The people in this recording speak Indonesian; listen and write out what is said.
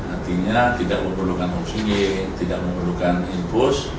artinya tidak memerlukan omsg tidak memerlukan impus